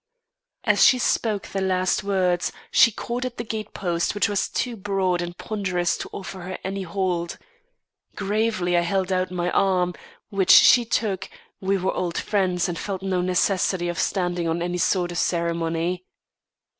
As she spoke the last words, she caught at the gatepost which was too broad and ponderous to offer her any hold. Gravely I held out my arm, which she took; we were old friends and felt no necessity of standing on any sort of ceremony.